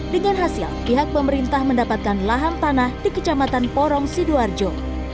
dengan hasil pihak pemerintah mendapatkan lahan tanah di kecamatan porong sidoarjo